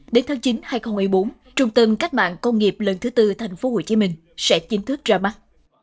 đến tháng chín hai nghìn một mươi bốn trung tâm cách mạng công nghiệp lần thứ tư tp hcm sẽ chính thức ra mắt